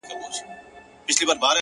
بيا دې د سندرو سره پښه وهمه-